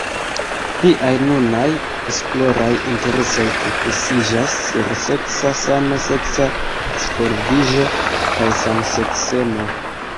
Liaj nunaj esploraj interesoj fokusiĝas sur seksa sano, seksa disvolviĝo kaj samseksemo.